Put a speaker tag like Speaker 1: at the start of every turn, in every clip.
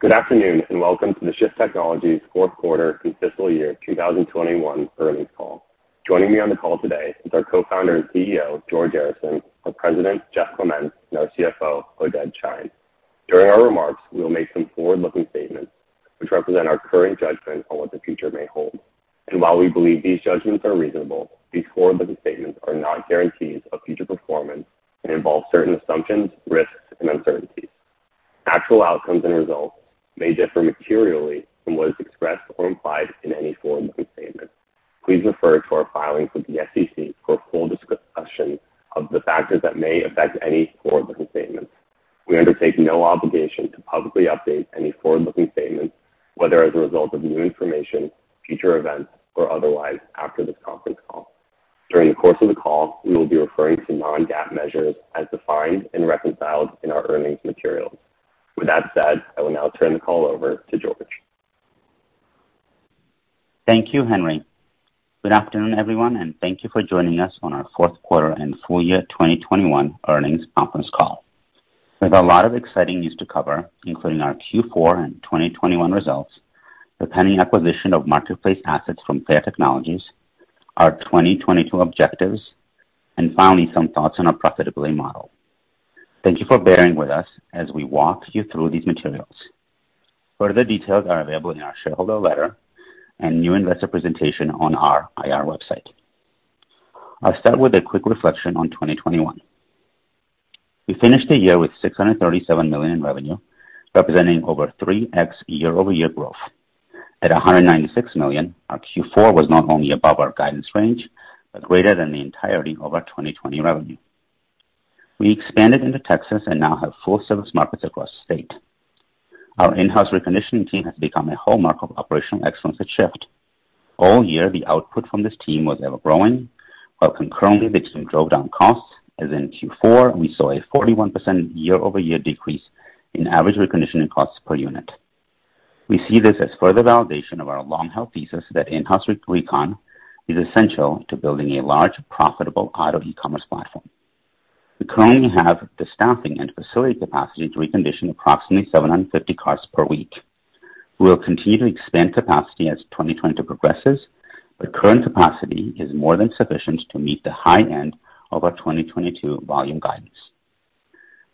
Speaker 1: Good afternoon, and welcome to the Shift Technologies fourth quarter and fiscal year 2021 earnings call. Joining me on the call today is our co-founder and CEO, George Arison, our President, Jeff Clementz, and our CFO, Oded Shein. During our remarks, we will make some forward-looking statements which represent our current judgment on what the future may hold. While we believe these judgments are reasonable, these forward-looking statements are not guarantees of future performance and involve certain assumptions, risks, and uncertainties. Actual outcomes and results may differ materially from what is expressed or implied in any forward-looking statement. Please refer to our filings with the SEC for a full description of the factors that may affect any forward-looking statements. We undertake no obligation to publicly update any forward-looking statements, whether as a result of new information, future events, or otherwise after this conference call. During the course of the call, we will be referring to non-GAAP measures as defined and reconciled in our earnings materials. With that said, I will now turn the call over to George.
Speaker 2: Thank you, Henry. Good afternoon, everyone, and thank you for joining us on our fourth quarter and full-year 2021 earnings conference call. We've a lot of exciting news to cover, including our Q4 and 2021 results, the pending acquisition of marketplace assets from FAIR Technologies, our 2022 objectives, and finally, some thoughts on our profitability model. Thank you for bearing with us as we walk you through these materials. Further details are available in our shareholder letter and new investor presentation on our IR website. I'll start with a quick reflection on 2021. We finished the year with $637 million in revenue, representing over 3x year-over-year growth. At $196 million, our Q4 was not only above our guidance range, but greater than the entirety of our 2020 revenue. We expanded into Texas and now have full service markets across the state. Our in-house reconditioning team has become a hallmark of operational excellence at Shift. All year, the output from this team was ever-growing, while concurrently they drove down costs as in Q4 we saw a 41% year-over-year decrease in average reconditioning costs per unit. We see this as further validation of our long-held thesis that in-house recon is essential to building a large profitable auto e-commerce platform. We currently have the staffing and facility capacity to recondition approximately 750 cars per week. We will continue to expand capacity as 2022 progresses, but current capacity is more than sufficient to meet the high end of our 2022 volume guidance.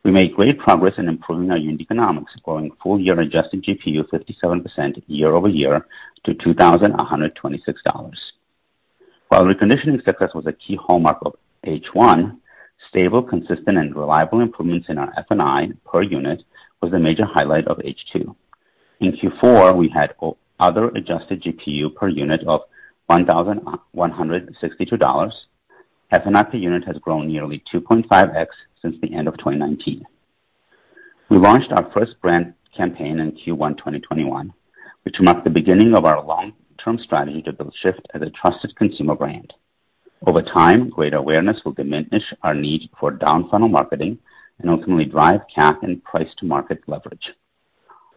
Speaker 2: We made great progress in improving our unit economics, growing full-year adjusted GPU 57% year-over-year to $2,126. While reconditioning success was a key hallmark of H1, stable, consistent, and reliable improvements in our F&I per unit was the major highlight of H2. In Q4, we had other adjusted GPU per unit of $1,162. F&I per unit has grown nearly 2.5x since the end of 2019. We launched our first brand campaign in Q1 2021, which marked the beginning of our long-term strategy to build Shift as a trusted consumer brand. Over time, greater awareness will diminish our need for down-funnel marketing and ultimately drive CAC and price to market leverage.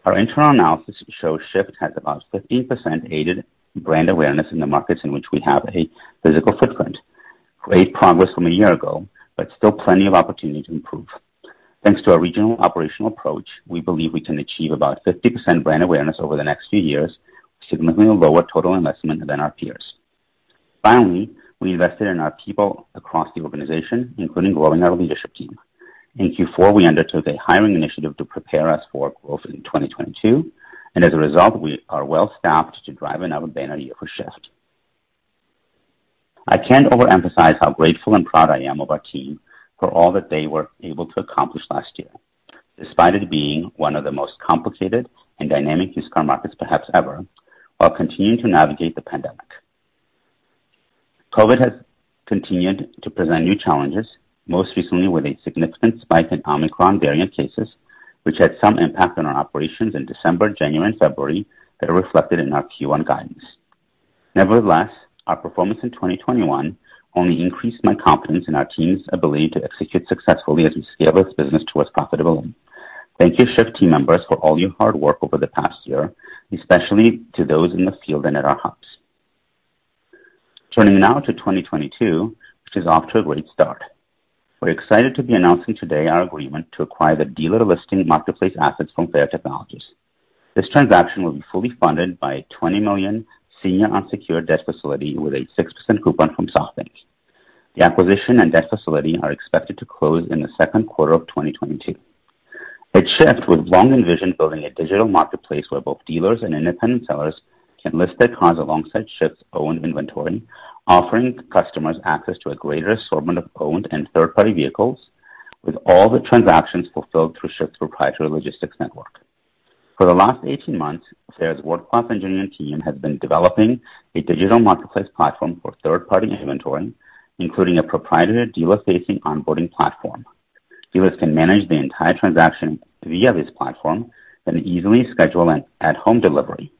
Speaker 2: Our internal analysis shows Shift has about 15% aided brand awareness in the markets in which we have a physical footprint. Great progress from a year ago, but still plenty of opportunity to improve. Thanks to our regional operational approach, we believe we can achieve about 50% brand awareness over the next few years, significantly lower total investment than our peers. Finally, we invested in our people across the organization, including growing our leadership team. In Q4, we undertook a hiring initiative to prepare us for growth in 2022, and as a result, we are well-staffed to drive another banner year for Shift. I can't overemphasize how grateful and proud I am of our team for all that they were able to accomplish last year, despite it being one of the most complicated and dynamic used car markets perhaps ever, while continuing to navigate the pandemic. COVID has continued to present new challenges, most recently with a significant spike in Omicron variant cases, which had some impact on our operations in December, January, and February that are reflected in our Q1 guidance. Nevertheless, our performance in 2021 only increased my confidence in our team's ability to execute successfully as we scale this business towards profitability. Thank you, Shift team members for all your hard work over the past year, especially to those in the field and at our hubs. Turning now to 2022, which is off to a great start. We're excited to be announcing today our agreement to acquire the dealer listing marketplace assets from FAIR Technologies. This transaction will be fully funded by a $20 million senior unsecured debt facility with a 6% coupon from SoftBank. The acquisition and debt facility are expected to close in the second quarter of 2022. At Shift, we've long envisioned building a digital marketplace where both dealers and independent sellers can list their cars alongside Shift's owned inventory, offering customers access to a greater assortment of owned and third-party vehicles with all the transactions fulfilled through Shift's proprietary logistics network. For the last 18 months, FAIR's world-class engineering team has been developing a digital marketplace platform for third-party inventory, including a proprietary dealer-facing onboarding platform. Dealers can manage the entire transaction via this platform and easily schedule an at-home delivery.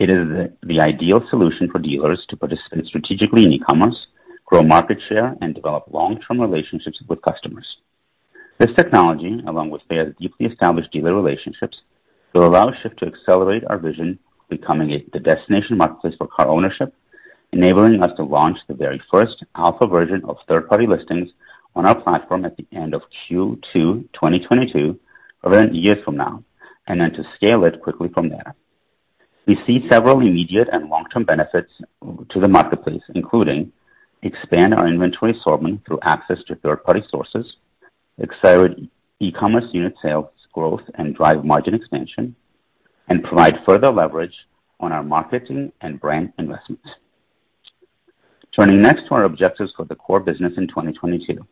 Speaker 2: It is the ideal solution for dealers to participate strategically in e-commerce, grow market share, and develop long-term relationships with customers. This technology, along with FAIR's deeply established dealer relationships, will allow Shift to accelerate our vision of becoming the destination marketplace for car ownership. Enabling us to launch the very first alpha version of third-party listings on our platform at the end of Q2 2022, around a year from now, and then to scale it quickly from there. We see several immediate and long-term benefits to the marketplace, including expand our inventory assortment through access to third-party sources, accelerate e-commerce unit sales growth, and drive margin expansion, and provide further leverage on our marketing and brand investments. Turning next to our objectives for the core business in 2022.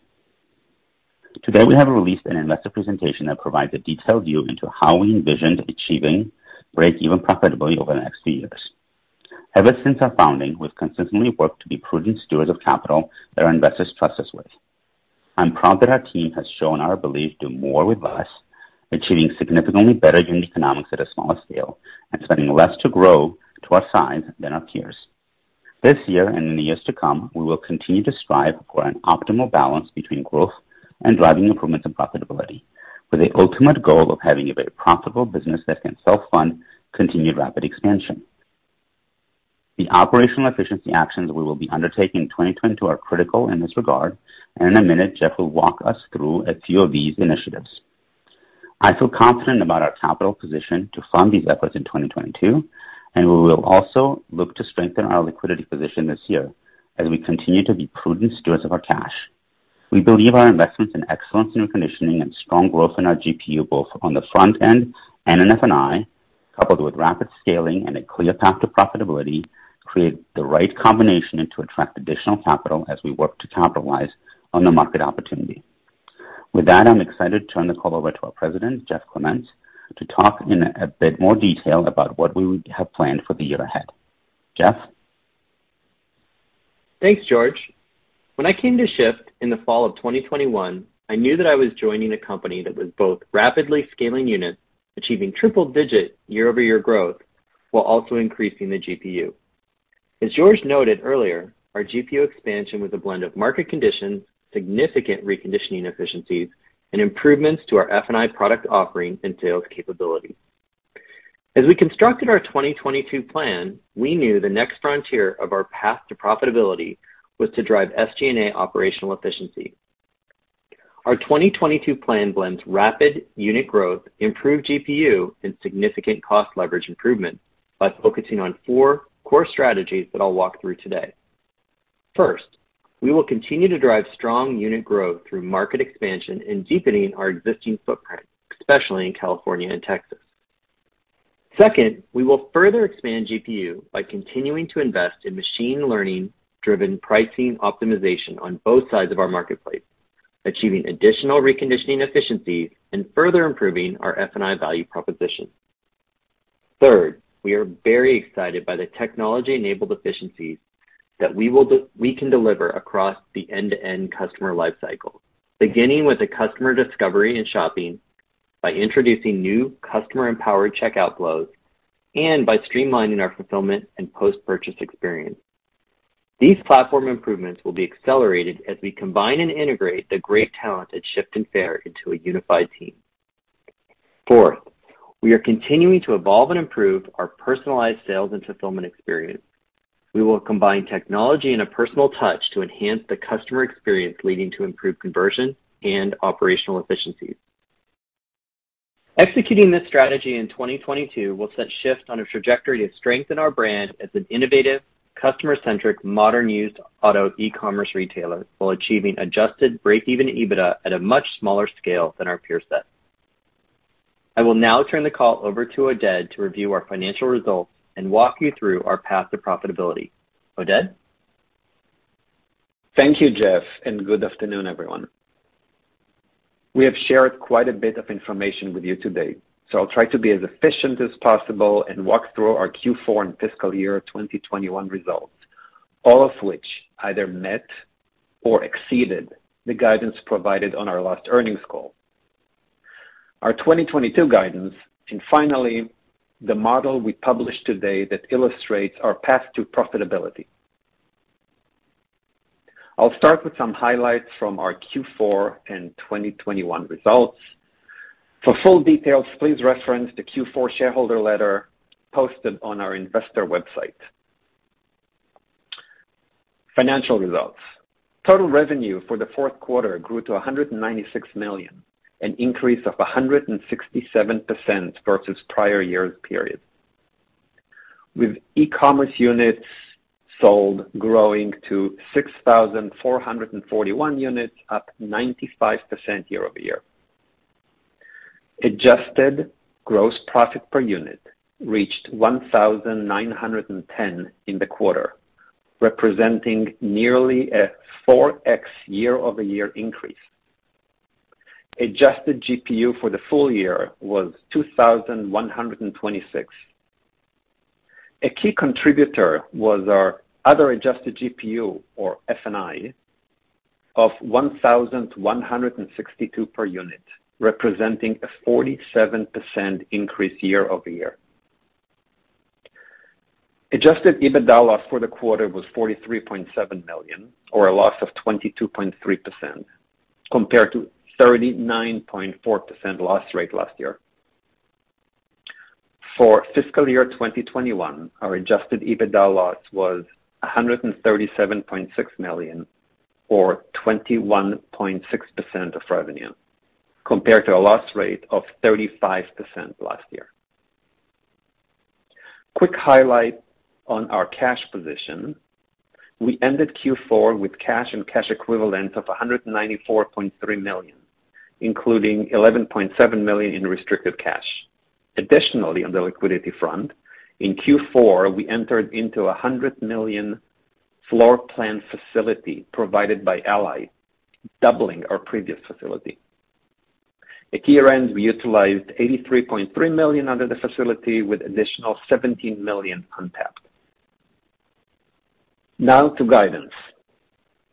Speaker 2: Today, we have released an investor presentation that provides a detailed view into how we envisioned achieving breakeven profitability over the next few years. Ever since our founding, we've consistently worked to be prudent stewards of capital that our investors trust us with. I'm proud that our team has shown our belief in doing more with less, achieving significantly better unit economics at a smaller scale and spending less to grow to our size than our peers. This year and in the years to come, we will continue to strive for an optimal balance between growth and driving improvements in profitability, with the ultimate goal of having a very profitable business that can self-fund continued rapid expansion. The operational efficiency actions we will be undertaking in 2022 are critical in this regard, and in a minute, Jeff will walk us through a few of these initiatives. I feel confident about our capital position to fund these efforts in 2022, and we will also look to strengthen our liquidity position this year as we continue to be prudent stewards of our cash. We believe our investments in excellence in reconditioning and strong growth in our GPU, both on the front end and in F&I, coupled with rapid scaling and a clear path to profitability, create the right combination and to attract additional capital as we work to capitalize on the market opportunity. With that, I'm excited to turn the call over to our President, Jeff Clementz, to talk in a bit more detail about what we have planned for the year ahead. Jeff?
Speaker 3: Thanks, George. When I came to Shift in the fall of 2021, I knew that I was joining a company that was both rapidly scaling units, achieving triple-digit year-over-year growth while also increasing the GPU. As George noted earlier, our GPU expansion was a blend of market conditions, significant reconditioning efficiencies, and improvements to our F&I product offering and sales capability. As we constructed our 2022 plan, we knew the next frontier of our path to profitability was to drive SG&A operational efficiency. Our 2022 plan blends rapid unit growth, improved GPU, and significant cost leverage improvement by focusing on four core strategies that I'll walk through today. First, we will continue to drive strong unit growth through market expansion and deepening our existing footprint, especially in California and Texas. Second, we will further expand GPU by continuing to invest in machine learning-driven pricing optimization on both sides of our marketplace, achieving additional reconditioning efficiencies, and further improving our F&I value proposition. Third, we are very excited by the technology-enabled efficiencies that we can deliver across the end-to-end customer life cycle. Beginning with the customer discovery and shopping by introducing new customer-empowered checkout flows and by streamlining our fulfillment and post-purchase experience. These platform improvements will be accelerated as we combine and integrate the great talent at Shift and FAIR into a unified team. Fourth, we are continuing to evolve and improve our personalized sales and fulfillment experience. We will combine technology and a personal touch to enhance the customer experience, leading to improved conversion and operational efficiencies. Executing this strategy in 2022 will set Shift on a trajectory to strengthen our brand as an innovative, customer-centric, modern used auto e-commerce retailer while achieving adjusted breakeven EBITDA at a much smaller scale than our peer set. I will now turn the call over to Oded to review our financial results and walk you through our path to profitability. Oded?
Speaker 4: Thank you, Jeff, and good afternoon, everyone. We have shared quite a bit of information with you today, so I'll try to be as efficient as possible and walk through our Q4 and fiscal year 2021 results, all of which either met or exceeded the guidance provided on our last earnings call, our 2022 guidance, and finally, the model we published today that illustrates our path to profitability. I'll start with some highlights from our Q4 and 2021 results. For full details, please reference the Q4 shareholder letter posted on our investor website. Financial results. Total revenue for the fourth quarter grew to $196 million, an increase of 167% versus prior year period. With e-commerce units sold growing to 6,441 units, up 95% year-over-year. Adjusted gross profit per unit reached $1,910 in the quarter, representing nearly a 4x year-over-year increase. Adjusted GPU for the full-year was $2,126. A key contributor was our other adjusted GPU or F&I of $1,162 per unit, representing a 47% increase year-over-year. Adjusted EBITDA loss for the quarter was $43.7 million or a loss of 22.3%, compared to 39.4% loss rate last year. For fiscal year 2021, our adjusted EBITDA loss was $137.6 million or 21.6% of revenue compared to a loss rate of 35% last year. Quick highlight on our cash position. We ended Q4 with cash and cash equivalents of $194.3 million, including $11.7 million in restricted cash. Additionally, on the liquidity front, in Q4, we entered into a $100 million floorplan facility provided by Ally, doubling our previous facility. At year-end, we utilized $83.3 million under the facility with additional $17 million untapped. Now to guidance.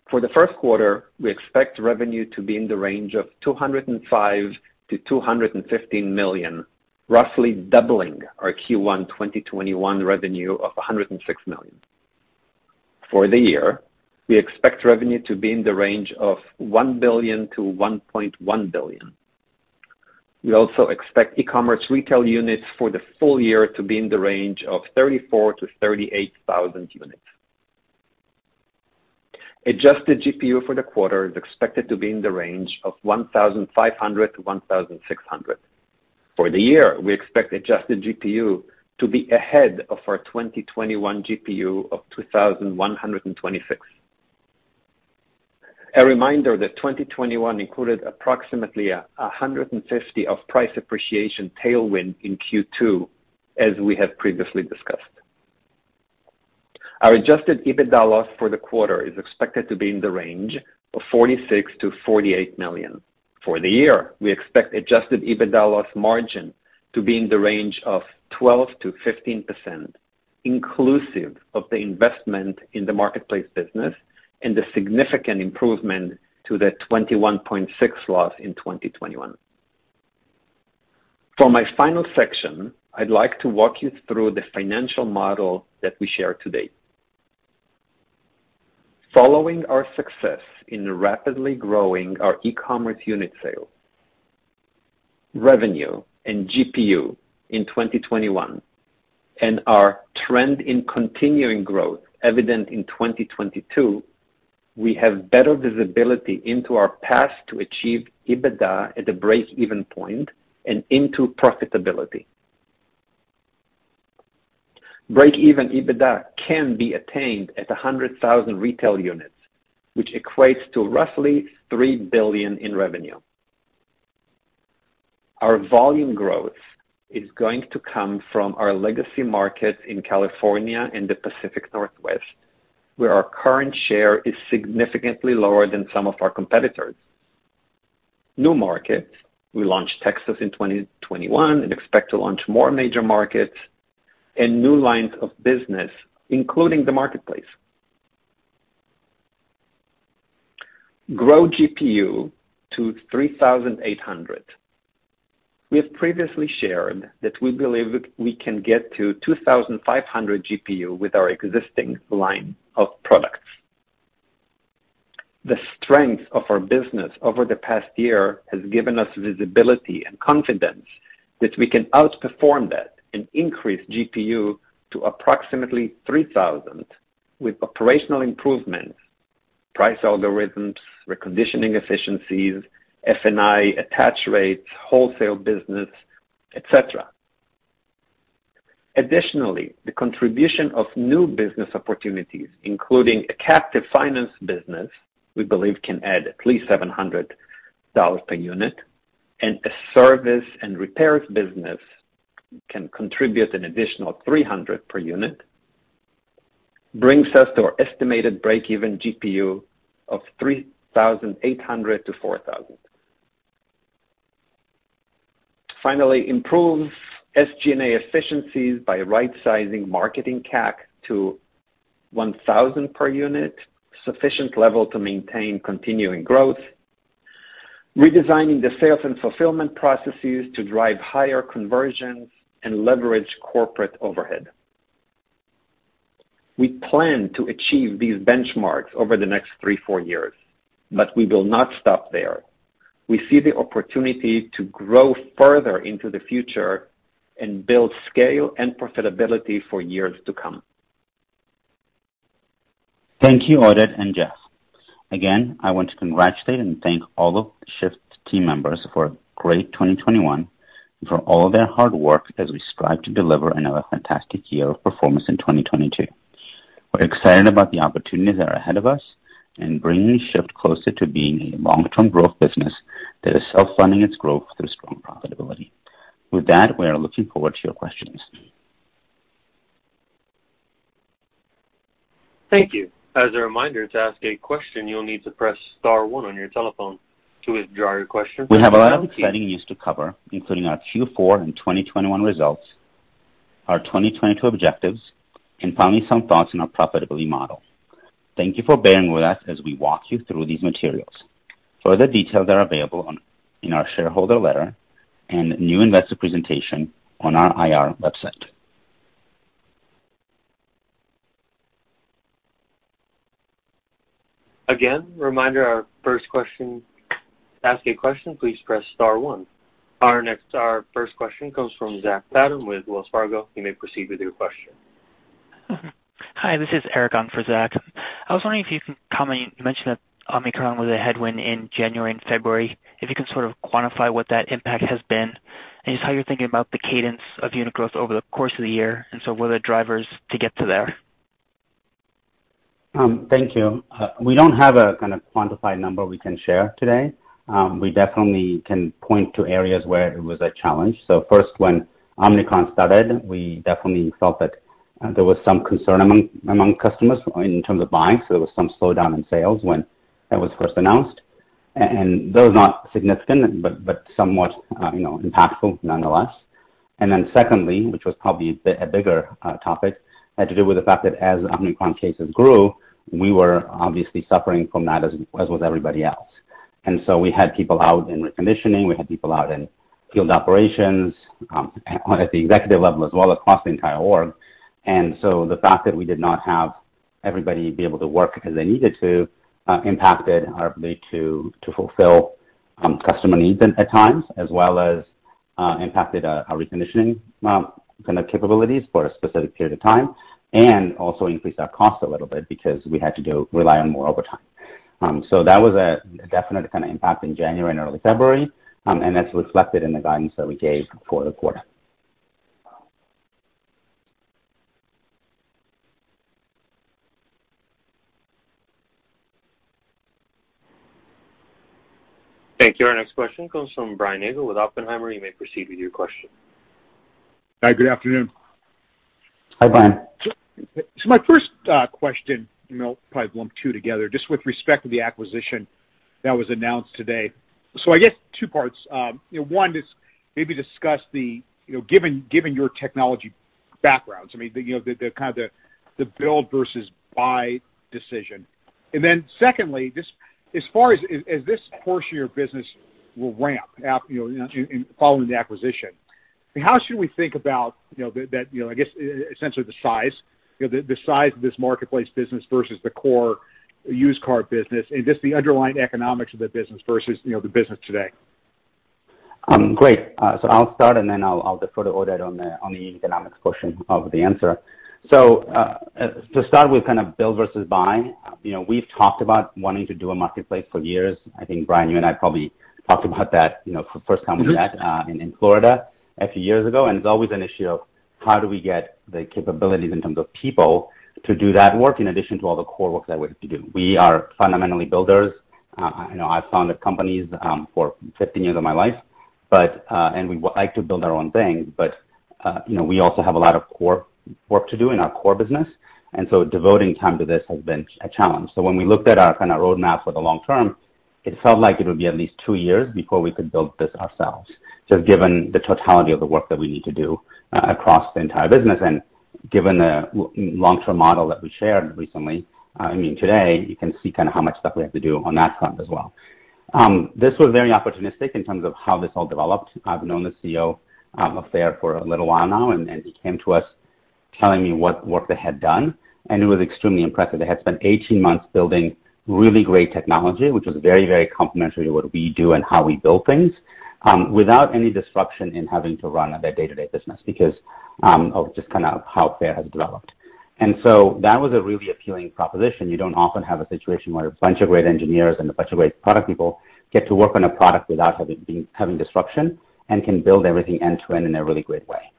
Speaker 4: For the first quarter, we expect revenue to be in the range of $205 million-$215 million, roughly doubling our Q1 2021 revenue of $106 million. For the year, we expect revenue to be in the range of $1 billion-$1.1 billion. We also expect e-commerce retail units for the full year to be in the range of 34,000 units-38,000 units. Adjusted GPU for the quarter is expected to be in the range of $1,500-$1,600. For the year, we expect adjusted GPU to be ahead of our 2021 GPU of $2,126. A reminder that 2021 included approximately $150 of price appreciation tailwind in Q2, as we have previously discussed. Our adjusted EBITDA loss for the quarter is expected to be in the range of $46 million-$48 million. For the year, we expect adjusted EBITDA loss margin to be in the range of 12%-15%, inclusive of the investment in the marketplace business and the significant improvement to the 21.6% loss in 2021. For my final section, I'd like to walk you through the financial model that we share today. Following our success in rapidly growing our e-commerce unit sale, revenue and GPU in 2021 and our trend in continuing growth evident in 2022, we have better visibility into our path to achieve EBITDA at the break-even point and into profitability. Break-even EBITDA can be attained at 100,000 retail units, which equates to roughly $3 billion in revenue. Our volume growth is going to come from our legacy market in California and the Pacific Northwest, where our current share is significantly lower than some of our competitors. New markets, we launched Texas in 2021 and expect to launch more major markets and new lines of business, including the marketplace. Grow GPU to $3,800. We have previously shared that we believe we can get to 2,500 GPU with our existing line of products. The strength of our business over the past year has given us visibility and confidence that we can outperform that and increase GPU to approximately $3,000 with operational improvements, price algorithms, reconditioning efficiencies, F&I attach rates, wholesale business, et cetera. Additionally, the contribution of new business opportunities, including a captive finance business we believe can add at least $700 per unit, and a service and repairs business can contribute an additional $300 per unit, brings us to our estimated break-even GPU of $3,800-$4,000. Finally, improve SG&A efficiencies by rightsizing marketing CAC to $1,000 per unit, sufficient level to maintain continuing growth, redesigning the sales and fulfillment processes to drive higher conversions and leverage corporate overhead. We plan to achieve these benchmarks over the next three, four years, but we will not stop there. We see the opportunity to grow further into the future and build scale and profitability for years to come.
Speaker 2: Thank you, Oded and Jeff. Again, I want to congratulate and thank all of Shift team members for a great 2021 and for all their hard work as we strive to deliver another fantastic year of performance in 2022. We're excited about the opportunities that are ahead of us in bringing Shift closer to being a long-term growth business that is self-funding its growth through strong profitability. With that, we are looking forward to your questions.
Speaker 5: Thank you. As a reminder, to ask a question, you'll need to press star one on your telephone. To withdraw your question-
Speaker 2: We have a lot of exciting news to cover, including our Q4 and 2021 results, our 2022 objectives, and finally some thoughts on our profitability model. Thank you for bearing with us as we walk you through these materials. Further details are available in our shareholder letter and new investor presentation on our IR website.
Speaker 5: Again, reminder, our first question. To ask a question, please press star one. Our first question comes from Zach Fadem with Wells Fargo. You may proceed with your question.
Speaker 6: Hi, this is Eric on for Zach. I was wondering if you can comment. You mentioned that Omicron was a headwind in January and February. If you can sort of quantify what that impact has been, and just how you're thinking about the cadence of unit growth over the course of the year, and so what are the drivers to get to there?
Speaker 2: Thank you. We don't have a kind of quantified number we can share today. We definitely can point to areas where it was a challenge. First, when Omicron started, we definitely felt that there was some concern among customers in terms of buying. There was some slowdown in sales when that was first announced. That was not significant, but somewhat, you know, impactful nonetheless. Then secondly, which was probably a bit a bigger topic, had to do with the fact that as Omicron cases grew, we were obviously suffering from that, as was everybody else. We had people out in reconditioning, we had people out in field operations, at the executive level as well across the entire org. The fact that we did not have everybody be able to work as they needed to impacted our ability to fulfill customer needs at times, as well as impacted our reconditioning kinda capabilities for a specific period of time, and also increased our cost a little bit because we had to go rely on more overtime. That was a definite kinda impact in January and early February. That's reflected in the guidance that we gave for the quarter.
Speaker 5: Thank you. Our next question comes from Brian Nagel with Oppenheimer. You may proceed with your question.
Speaker 7: Hi, good afternoon.
Speaker 2: Hi, Brian.
Speaker 7: My first question, you know, probably lump two together, just with respect to the acquisition that was announced today. I guess two parts. You know, one is maybe discuss the, you know, given your technology backgrounds, I mean, the kind of the build versus buy decision. Then secondly, just as far as this course of your business will ramp, you know, in following the acquisition. How should we think about, you know, that, you know, I guess essentially the size, you know, the size of this marketplace business versus the core used car business, and just the underlying economics of the business versus, you know, the business today.
Speaker 2: Great. I'll start and then I'll defer to Oded on the economics portion of the answer. To start with kind of build versus buy. You know, we've talked about wanting to do a marketplace for years. I think, Brian, you and I probably talked about that, you know, for the first time.
Speaker 7: Mm-hmm.
Speaker 2: We met in Florida a few years ago. It's always an issue of how do we get the capabilities in terms of people to do that work, in addition to all the core work that we have to do. We are fundamentally builders. You know, I've founded companies for 15 years of my life, but, and we like to build our own things, but, you know, we also have a lot of core work to do in our core business, and so devoting time to this has been a challenge. When we looked at our kinda roadmap for the long-term, it felt like it would be at least two years before we could build this ourselves, just given the totality of the work that we need to do across the entire business. Given the long-term model that we shared recently, I mean today, you can see kinda how much stuff we have to do on that front as well. This was very opportunistic in terms of how this all developed. I've known the CEO of FAIR for a little while now, and he came to us telling me what work they had done, and it was extremely impressive. They had spent 18 months building really great technology, which was very, very complementary to what we do and how we build things, without any disruption in having to run their day-to-day business because of just kind of how FAIR has developed. That was a really appealing proposition. You don't often have a situation where a bunch of great engineers and a bunch of great product people get to work on a product without having disruption and can build everything end-to-end in a really great way.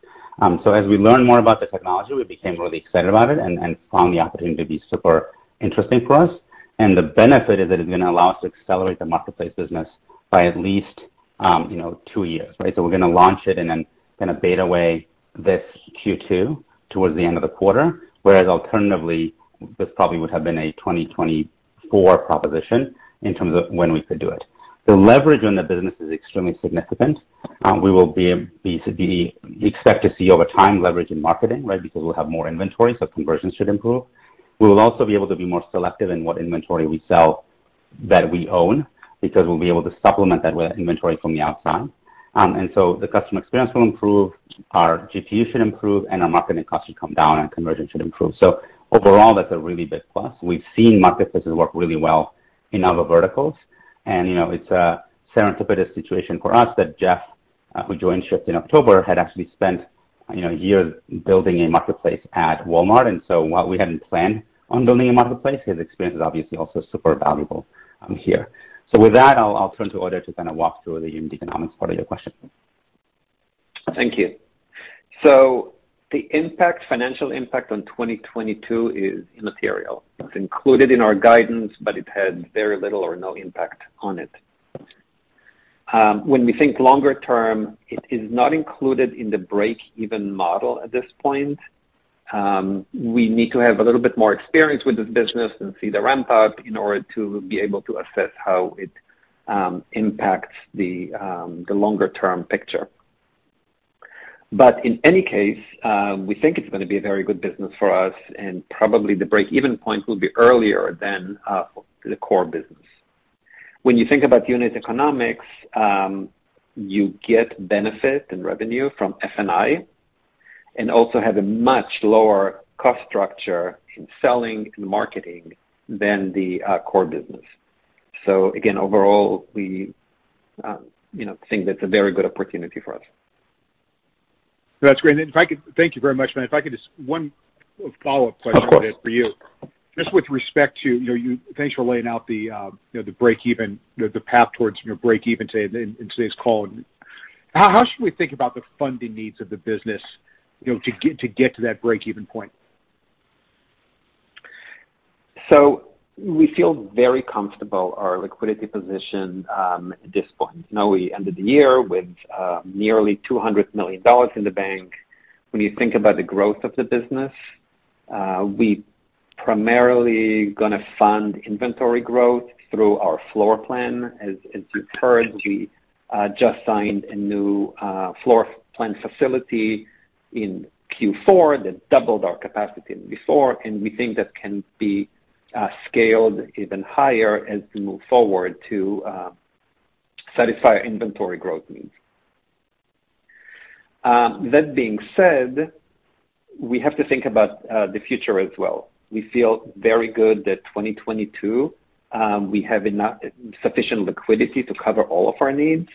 Speaker 2: So as we learn more about the technology, we became really excited about it and found the opportunity to be super interesting for us. The benefit of it is gonna allow us to accelerate the marketplace business by at least, you know, two years, right? We're gonna launch it in a kinda beta way this Q2, towards the end of the quarter, whereas alternatively this probably would have been a 2024 proposition in terms of when we could do it. The leverage on the business is extremely significant. We will expect to see over time leverage in marketing, right? Because we'll have more inventory, so conversions should improve. We will also be able to be more selective in what inventory we sell that we own because we'll be able to supplement that with inventory from the outside. The customer experience will improve, our GPU should improve, and our marketing costs should come down and conversion should improve. Overall, that's a really big plus. We've seen marketplaces work really well in other verticals, and you know, it's a serendipitous situation for us that Jeff, who joined Shift in October, had actually spent, you know, years building a marketplace at Walmart. While we hadn't planned on building a marketplace, his experience is obviously also super valuable here. With that, I'll turn to Oded to kind of walk through the unit economics part of your question.
Speaker 7: Thank you.
Speaker 4: The impact, financial impact on 2022 is immaterial. It's included in our guidance, but it had very little or no impact on it. When we think longer term, it is not included in the break-even model at this point. We need to have a little bit more experience with this business and see the ramp up in order to be able to assess how it impacts the longer term picture. In any case, we think it's gonna be a very good business for us, and probably the break-even point will be earlier than the core business. When you think about unit economics, you get benefit and revenue from F&I. also have a much lower cost structure in selling and marketing than the core business. Again, overall, we think that's a very good opportunity for us.
Speaker 7: That's great. Thank you very much. If I could just one follow-up question.
Speaker 4: Of course.
Speaker 7: I have for you. Just with respect to, you know, thanks for laying out the, you know, the breakeven, you know, the path towards, you know, breakeven today in today's call. How should we think about the funding needs of the business, you know, to get to that breakeven point?
Speaker 4: We feel very comfortable our liquidity position at this point. You know, we ended the year with nearly $200 million in the bank. When you think about the growth of the business, we primarily gonna fund inventory growth through our floor plan. As you've heard, we just signed a new floor plan facility in Q4 that doubled our capacity than before, and we think that can be scaled even higher as we move forward to satisfy inventory growth needs. That being said, we have to think about the future as well. We feel very good that 2022 we have enough sufficient liquidity to cover all of our needs.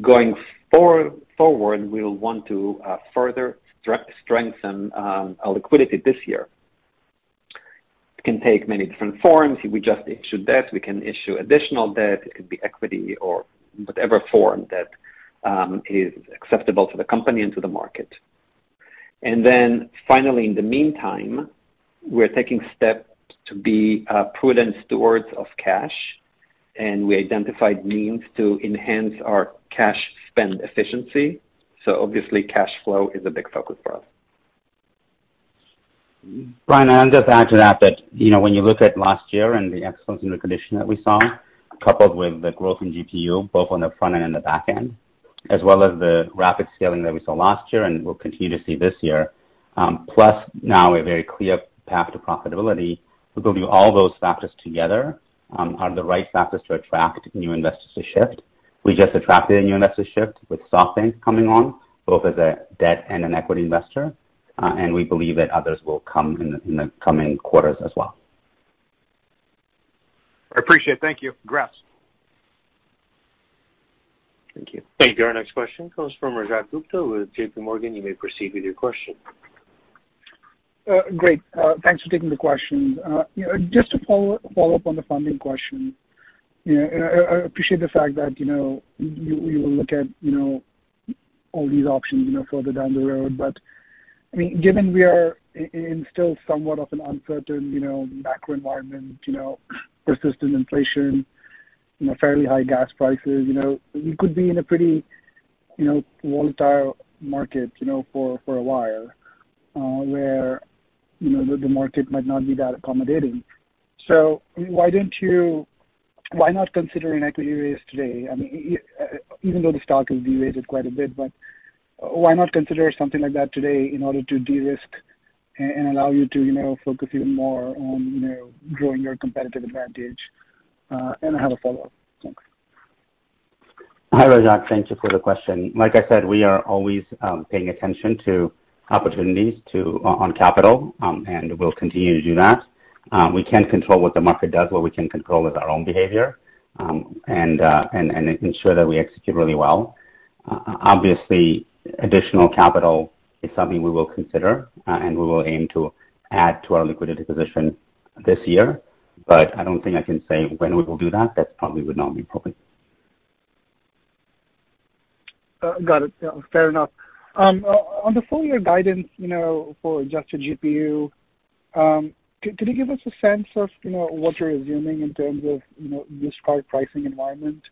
Speaker 4: Going forward, we'll want to further strengthen our liquidity this year. It can take many different forms. We just issued debt. We can issue additional debt. It could be equity or whatever form that is acceptable to the company and to the market. Then finally, in the meantime, we're taking steps to be prudent stewards of cash, and we identified means to enhance our cash spend efficiency. Obviously, cash flow is a big focus for us.
Speaker 2: Brian, I'll just add to that, you know, when you look at last year and the excellence in the condition that we saw, coupled with the growth in GPU, both on the front end and the back end, as well as the rapid scaling that we saw last year and we'll continue to see this year, plus now a very clear path to profitability. We believe all those factors together are the right factors to attract new investors to Shift. We just attracted a new investor to Shift with SoftBank coming on, both as a debt and an equity investor, and we believe that others will come in the coming quarters as well.
Speaker 7: I appreciate it. Thank you. Congrats.
Speaker 2: Thank you.
Speaker 5: Thank you. Our next question comes from Rajat Gupta with JPMorgan. You may proceed with your question.
Speaker 8: Great. Thanks for taking the question. You know, just to follow up on the funding question. You know, I appreciate the fact that, you know, you will look at, you know, all these options, you know, further down the road. I mean, given we are in a still somewhat uncertain macro environment, you know, persistent inflation, you know, FAIRly high gas prices, you know, we could be in a pretty, you know, volatile market, you know, for a while, where, you know, the market might not be that accommodating. Why not consider an equity raise today? I mean, even though the stock has de-rated quite a bit, but why not consider something like that today in order to de-risk and allow you to, you know, focus even more on, you know, growing your competitive advantage? I have a follow-up. Thanks.
Speaker 4: Hi, Rajat. Thank you for the question. Like I said, we are always paying attention to opportunities on capital, and we'll continue to do that. We can't control what the market does. What we can control is our own behavior, and ensure that we execute really well. Obviously additional capital is something we will consider, and we will aim to add to our liquidity position this year. I don't think I can say when we will do that. That probably would not be appropriate.
Speaker 8: Got it. FAIR enough. On the full-year guidance, you know, for adjusted GPU, can you give us a sense of, you know, what you're assuming in terms of, you know, used car pricing environment?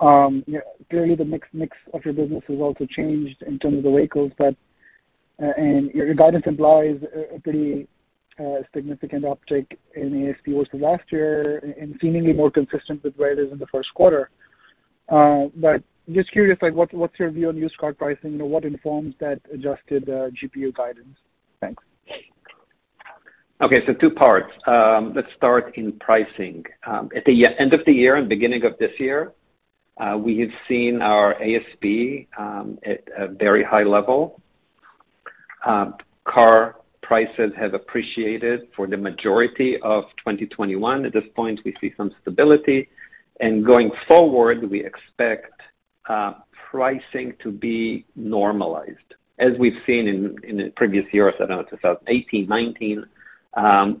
Speaker 8: Clearly, the mix of your business has also changed in terms of the vehicles, but your guidance implies a pretty significant uptick in ASP versus last year and seemingly more consistent with where it is in the first quarter. Just curious, like what's your view on used car pricing? You know, what informs that adjusted GPU guidance? Thanks.
Speaker 4: Okay. Two parts. Let's start in pricing. At the end of the year and beginning of this year, we have seen our ASP at a very high level. Car prices have appreciated for the majority of 2021. At this point, we see some stability. Going forward, we expect pricing to be normalized as we've seen in the previous years, I don't know, 2018, 2019,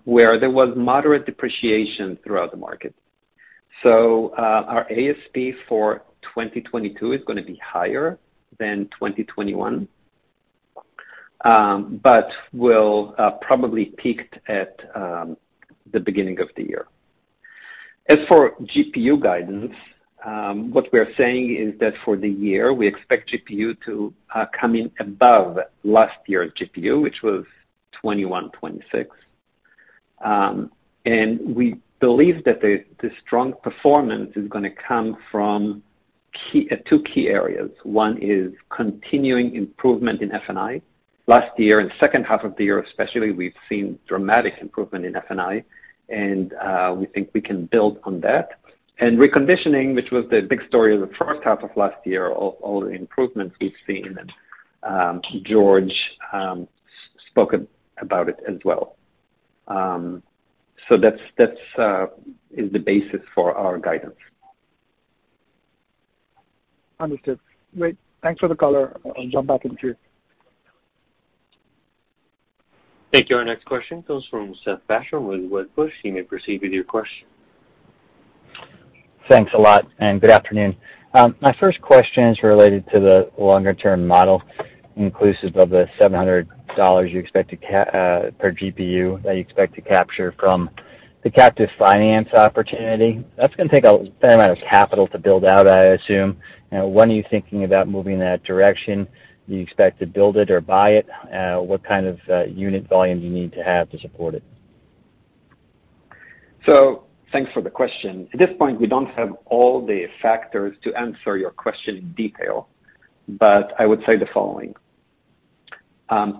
Speaker 4: where there was moderate depreciation throughout the market. Our ASP for 2022 is gonna be higher than 2021, but will probably peaked at the beginning of the year. As for GPU guidance, what we are saying is that for the year, we expect GPU to come in above last year's GPU, which was 21.6%. We believe that the strong performance is gonna come from two key areas. One is continuing improvement in F&I. Last year, in the second half of the year especially, we've seen dramatic improvement in F&I, and we think we can build on that. Reconditioning, which was the big story of the first half of last year, all the improvements we've seen, and George spoke about it as well. That is the basis for our guidance.
Speaker 8: Understood. Great. Thanks for the color. I'll jump back in queue.
Speaker 5: Thank you. Our next question comes from Seth Basham with Wedbush. You may proceed with your question.
Speaker 9: Thanks a lot, and good afternoon. My first question is related to the longer-term model, inclusive of the $700 you expect per GPU that you expect to capture from the captive finance opportunity. That's gonna take a FAIR amount of capital to build out, I assume. Now, when are you thinking about moving in that direction? Do you expect to build it or buy it? What kind of unit volume do you need to have to support it?
Speaker 4: Thanks for the question. At this point, we don't have all the factors to answer your question in detail, but I would say the following.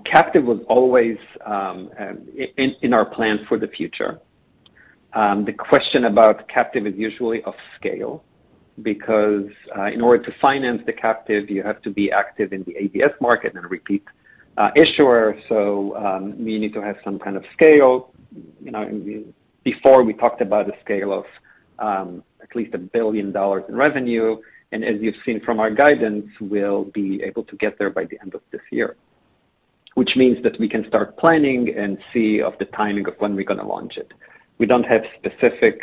Speaker 4: Captive was always in our plan for the future. The question about captive is usually of scale because in order to finance the captive you have to be active in the ABS market and a repeat issuer. You need to have some kind of scale. You know, before we talked about a scale of at least a billion dollar in revenue. As you've seen from our guidance, we'll be able to get there by the end of this year. Which means that we can start planning and see the timing of when we're gonna launch it. We don't have specific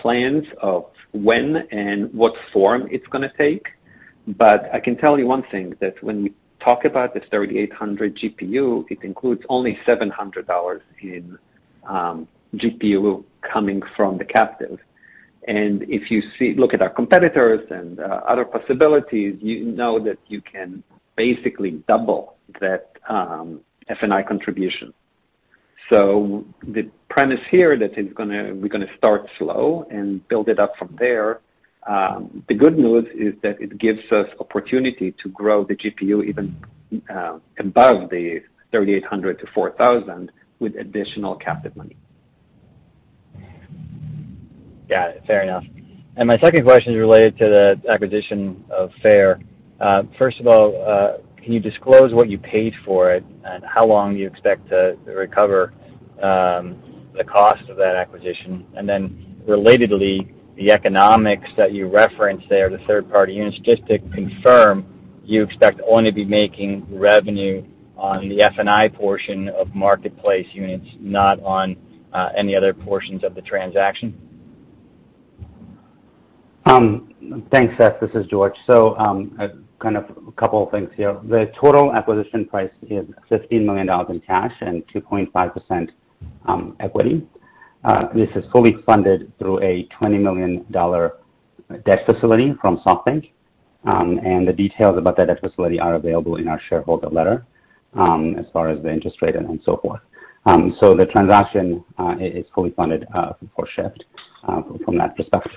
Speaker 4: plans of when and what form it's gonna take, but I can tell you one thing, that when we talk about the $3,800 GPU, it includes only $700 in GPU coming from the captive. If you look at our competitors and other possibilities, you know that you can basically double that F&I contribution. The premise here that we're gonna start slow and build it up from there. The good news is that it gives us opportunity to grow the GPU even above the $3,800 to $4,000 with additional captive money.
Speaker 9: Got it. FAIR enough. My second question is related to the acquisition of FAIR. First of all, can you disclose what you paid for it and how long you expect to recover the cost of that acquisition? And then relatedly, the economics that you referenced there, the third-party units, just to confirm, you expect only to be making revenue on the F&I portion of marketplace units, not on any other portions of the transaction?
Speaker 2: Thanks, Seth. This is George. Kind of a couple of things here. The total acquisition price is $15 million in cash and 2.5% equity. This is fully funded through a $20 million debt facility from SoftBank. The details about that debt facility are available in our shareholder letter, as far as the interest rate and so forth. The transaction is fully funded for Shift from that perspective.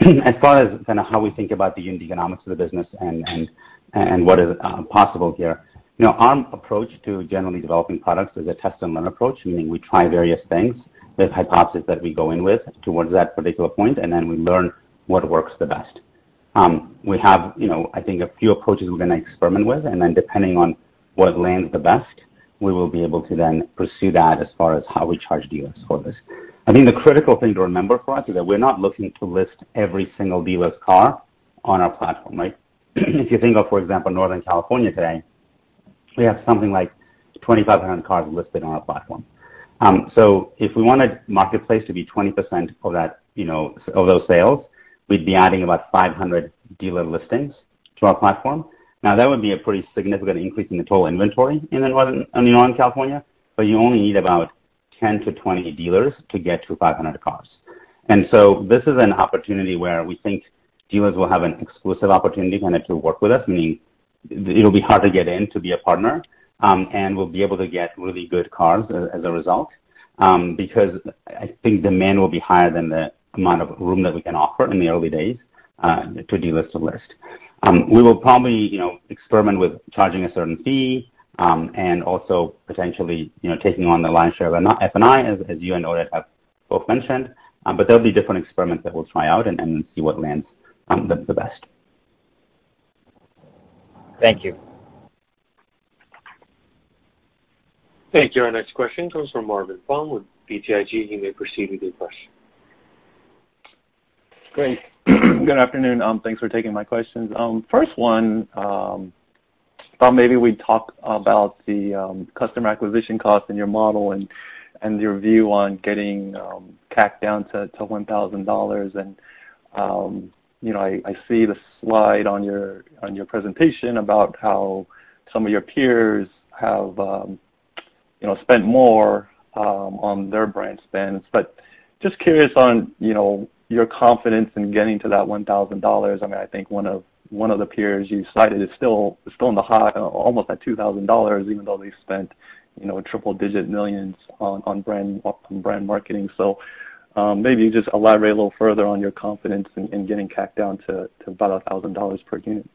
Speaker 2: As far as kind of how we think about the unit economics of the business and what is possible here. You know, our approach to generally developing products is a test and learn approach, meaning we try various things. There's hypothesis that we go in with towards that particular point, and then we learn what works the best. We have, you know, I think a few approaches we're gonna experiment with, and then depending on what lands the best, we will be able to then pursue that as far as how we charge dealers for this. I think the critical thing to remember for us is that we're not looking to list every single dealer's car on our platform, right? If you think of, for example, Northern California today, we have something like 2,500 cars listed on our platform. So if we wanted marketplace to be 20% of that, you know, of those sales, we'd be adding about 500 dealer listings to our platform. Now, that would be a pretty significant increase in the total inventory in Northern California, but you only need about 10 dealers-20 dealers to get to 500 cars. This is an opportunity where we think dealers will have an exclusive opportunity to work with us, meaning it'll be hard to get in to be a partner, and we'll be able to get really good cars as a result, because I think demand will be higher than the amount of room that we can offer in the early days to dealers to list. We will probably, you know, experiment with charging a certain fee, and also potentially, you know, taking on the lion's share of F&I, as you and Oded have both mentioned. There'll be different experiments that we'll try out and see what lands the best.
Speaker 9: Thank you.
Speaker 5: Thank you. Our next question comes from Marvin Fong with BTIG. You may proceed with your question.
Speaker 10: Great. Good afternoon. Thanks for taking my questions. First one, thought maybe we'd talk about the customer acquisition cost in your model and your view on getting CAC down to $1,000. You know, I see the slide on your presentation about how some of your peers have you know spent more on their brand spends. Just curious on you know your confidence in getting to that $1,000. I mean, I think one of the peers you cited is still in the high almost at $2,000, even though they've spent you know triple-digit millions on brand marketing. Maybe just elaborate a little further on your confidence in getting CAC down to about $1,000 per unit.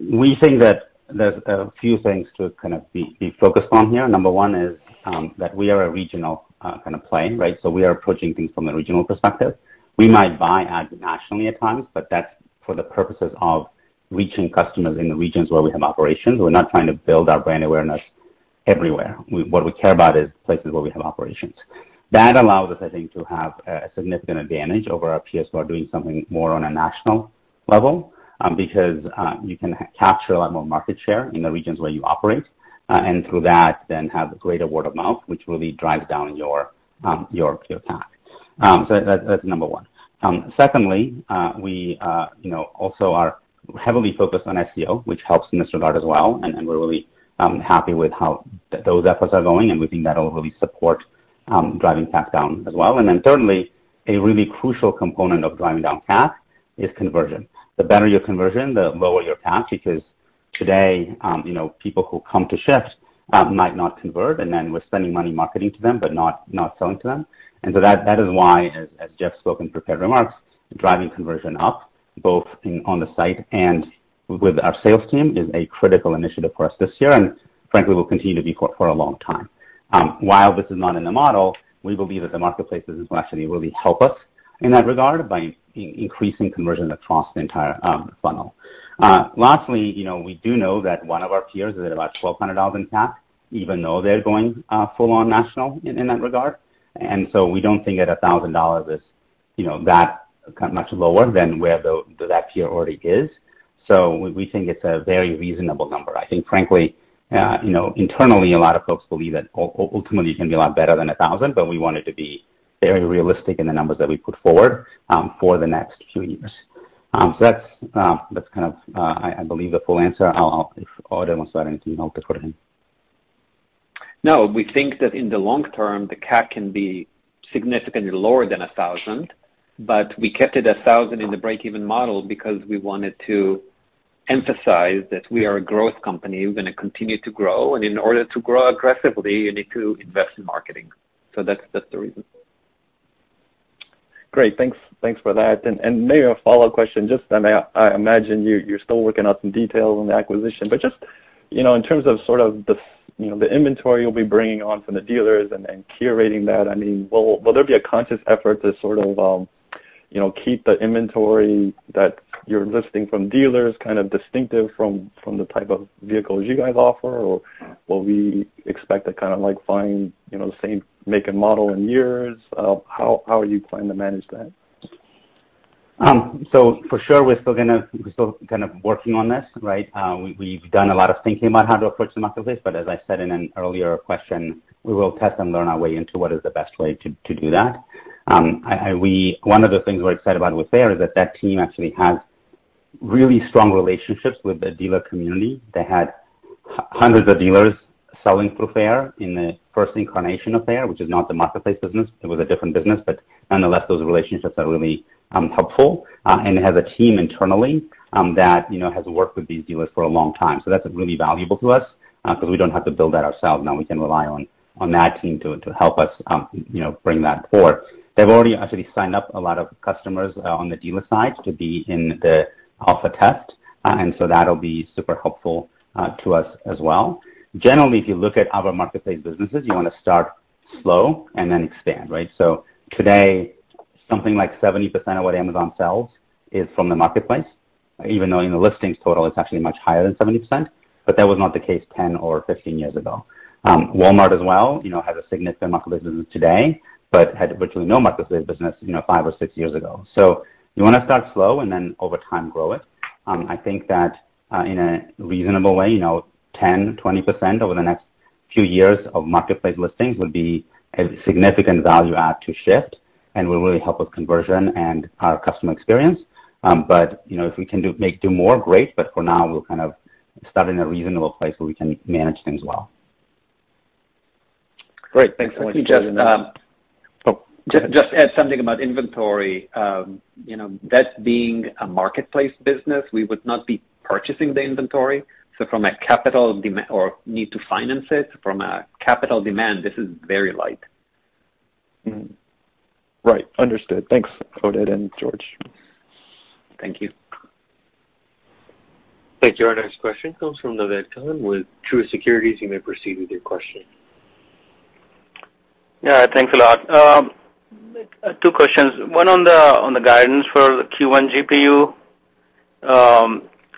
Speaker 2: We think that there's a few things to kind of be focused on here. Number one is that we are a regional kind of play, right? We are approaching things from a regional perspective. We might buy ads nationally at times, but that's for the purposes of reaching customers in the regions where we have operations. We're not trying to build our brand awareness everywhere. What we care about is places where we have operations. That allows us, I think, to have a significant advantage over our peers who are doing something more on a national level, because you can capture a lot more market share in the regions where you operate, and through that then have greater word of mouth, which really drives down your pure CAC. That's number one. Secondly, we, you know, also are heavily focused on SEO, which helps in this regard as well, and we're really happy with how those efforts are going, and we think that'll really support driving CAC down as well. Then thirdly, a really crucial component of driving down CAC is conversion. The better your conversion, the lower your CAC, because today, you know, people who come to Shift might not convert, and then we're spending money marketing to them but not selling to them. That is why, as Jeff spoke in prepared remarks, driving conversion up, both in on the site and with our sales team, is a critical initiative for us this year and frankly will continue to be for a long time. While this is not in the model, we believe that the marketplace business will actually really help us in that regard by increasing conversion across the entire funnel. Lastly, you know, we do know that one of our peers is at about $1,200 in CAC even though they're going full on national in that regard. We don't think that $1,000 is, you know, that much lower than where that peer already is. We think it's a very reasonable number. I think frankly, you know, internally a lot of folks believe that ultimately it can be a lot better than $1,000, but we want it to be very realistic in the numbers that we put forward for the next few years. That's kind of, I believe, the full answer. If Oded wants to add anything, I'll defer to him.
Speaker 4: No. We think that in the long-term, the CAC can be significantly lower than $1000, but we kept it $1000 in the break-even model because we wanted to emphasize that we are a growth company. We're gonna continue to grow, and in order to grow aggressively, you need to invest in marketing. That's the reason.
Speaker 10: Great. Thanks. Thanks for that. Maybe a follow-up question. Just, I imagine you're still working out some details on the acquisition, but just, you know, in terms of sort of you know, the inventory you'll be bringing on from the dealers and then curating that. I mean, will there be a conscious effort to sort of, you know, keep the inventory that you're listing from dealers kind of distinctive from the type of vehicles you guys offer? Or will we expect to kind of like find, you know, the same make and model and years? How are you planning to manage that?
Speaker 2: For sure we're still gonna, we're still kind of working on this, right? We've done a lot of thinking about how to approach the marketplace, but as I said in an earlier question, we will test and learn our way into what is the best way to do that. One of the things we're excited about with FAIR is that that team actually has really strong relationships with the dealer community. They had hundreds of dealers selling through FAIR in the first incarnation of FAIR, which is not the marketplace business. It was a different business. Nonetheless, those relationships are really helpful, and have a team internally that you know has worked with these dealers for a long time. That's really valuable to us, 'cause we don't have to build that ourselves. Now we can rely on that team to help us, you know, bring that forward. They've already actually signed up a lot of customers on the dealer side to be in the alpha test. That'll be super helpful to us as well. Generally, if you look at other marketplace businesses, you wanna start slow and then expand, right? Today something like 70% of what Amazon sells is from the marketplace, even though in the listings total it's actually much higher than 70%. That was not the case 10 or 15 years ago. Walmart as well, you know, has a significant marketplace business today, but had virtually no marketplace business, you know, five or six years ago. You wanna start slow and then over time grow it. I think that in a reasonable way, you know, 10%-20% over the next few years of marketplace listings will be a significant value add to Shift and will really help with conversion and customer experience. You know, if we can do more, great, but for now we'll kind of start in a reasonable place where we can manage things well.
Speaker 10: Great. Thanks so much.
Speaker 4: Let me just.
Speaker 10: Oh.
Speaker 4: Just add something about inventory. You know, that being a marketplace business, we would not be purchasing the inventory, so from a capital demand or need to finance it, this is very light.
Speaker 10: Right. Understood. Thanks, Oded and George.
Speaker 4: Thank you.
Speaker 5: Thank you. Our next question comes from Naved Khan with Truist Securities. You may proceed with your question.
Speaker 11: Yeah. Thanks a lot. Two questions. One on the guidance for the Q1 GPU.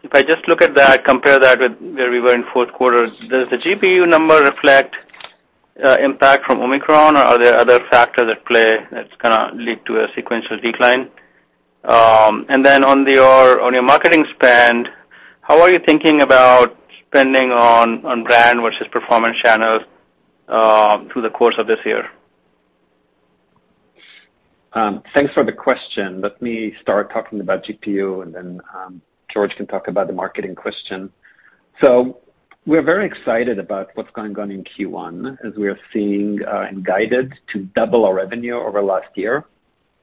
Speaker 11: If I just look at that, compare that with where we were in fourth quarter, does the GPU number reflect impact from Omicron, or are there other factors at play that's gonna lead to a sequential decline? Then on your marketing spend, how are you thinking about spending on brand versus performance channels through the course of this year?
Speaker 4: Thanks for the question. Let me start talking about GPU and then George can talk about the marketing question. We're very excited about what's going on in Q1 as we are seeing and guided to double our revenue over last year.